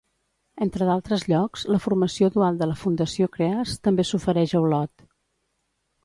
Entre d'altres llocs, la formació dual de la Fundació Kreas també s'ofereix a Olot.